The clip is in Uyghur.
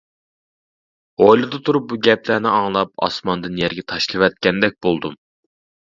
ھويلىدا تۇرۇپ بۇ گەپلەرنى ئاڭلاپ، ئاسماندىن يەرگە تاشلىۋەتكەندەك بولدۇم.